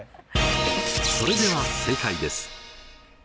それでは正解です。